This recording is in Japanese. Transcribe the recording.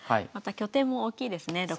また拠点も大きいですね